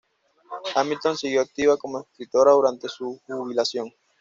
Hamilton siguió activa como escritora durante su jubilación.